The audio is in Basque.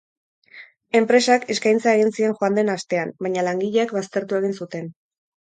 Enpresak eskaintza egin zien joan den astean, baina langileek baztertu egin zuten.